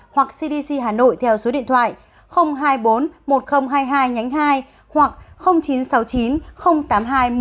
hoặc cdc hà nội theo số điện thoại hai mươi bốn một nghìn hai mươi hai nhánh hai